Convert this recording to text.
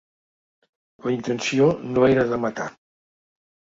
La intenció no era de matar.